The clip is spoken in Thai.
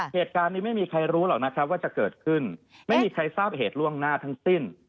เหตุการณ์นี้ไม่มีใครรู้หรอกนะครับว่าจะเกิดขึ้นไม่มีใครทราบเหตุล่วงหน้าทั้งสิ้น